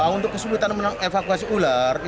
untuk keseluruhan mengevakuasi ular